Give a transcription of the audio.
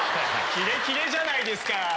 キレキレじゃないですか。